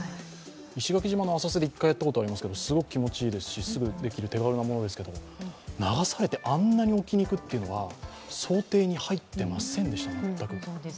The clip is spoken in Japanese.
石垣島の浅瀬で１回やったことがありますけどすぐできる手軽なものですけど、流されてあんなに沖に行くというのは、想定に入っていませんでした、全く。